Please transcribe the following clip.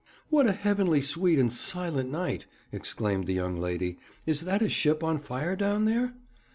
'What a heavenly sweet and silent night!' exclaimed the young lady. 'Is that a ship on fire down there?'